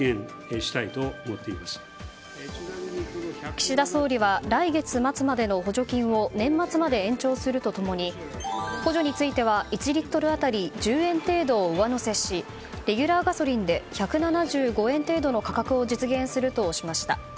岸田総理は来月末までの補助金を年末まで延長すると共に補助については１リットル当たり１０円程度を上乗せしレギュラーガソリンで１７５円程度の価格を実現するとしました。